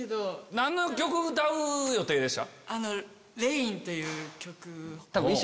何の曲歌う予定でした？